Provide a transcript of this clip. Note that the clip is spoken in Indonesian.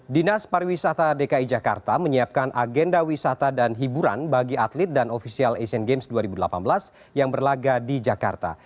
dinas pariwisata dki jakarta menyiapkan agenda wisata dan hiburan bagi atlet dan ofisial asian games dua ribu delapan belas yang berlaga di jakarta